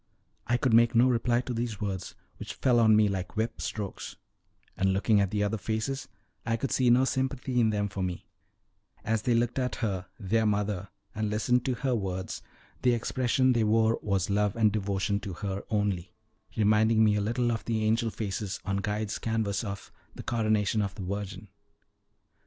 I could make no reply to these words, which fell on me like whip strokes; and looking at the other faces, I could see no sympathy in them for me; as they looked at her their mother and listened to her words, the expression they wore was love and devotion to her only, reminding me a little of the angel faces on Guide's canvas of the "Coronation of the Virgin."